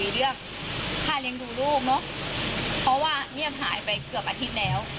เรื่องของสามีภรรยายแม่จะกลับมาดีกันไหม